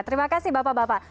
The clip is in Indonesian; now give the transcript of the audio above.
terima kasih bapak bapak